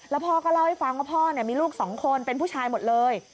พ่อก็เล่าให้ฟังว่าพ่อมีลูก๒คนเป็นผู้ชายหมดเลย